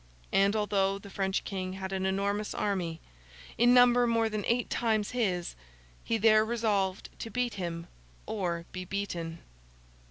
And, although the French King had an enormous army—in number more than eight times his—he there resolved to beat him or be beaten.